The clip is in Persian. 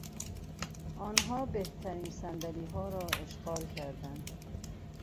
آنها بهترین صندلیها را اشغال کردند.